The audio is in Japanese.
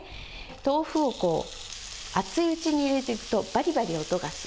豆腐を熱いうちに入れていくと、ばりばり音がする。